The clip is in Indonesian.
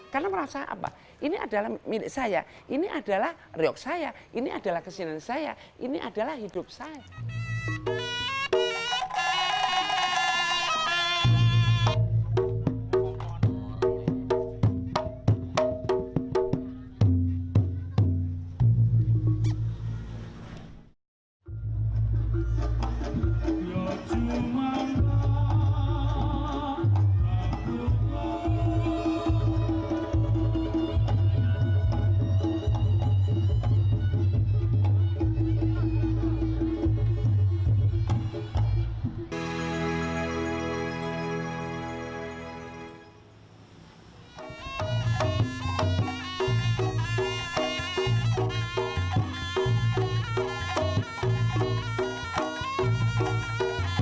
karena merasa apa ini adalah milik saya ini adalah reog saya ini adalah kesinan saya ini adalah hidup saya